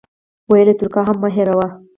ویل یې ترکیه هم مه هېروئ.